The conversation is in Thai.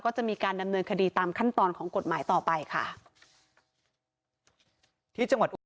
ก็ชนเหมือนเพื่อนเดี๋ยวเพราะวิ่งผ่านข้างตรงลูกพนักก็คอยไม่ได้ดู